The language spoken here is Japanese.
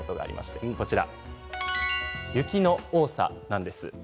それが雪の多さなんです。